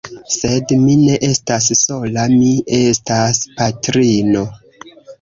Sed mi ne estas sola, mi estas patrino!